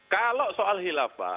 kalau soal hilafah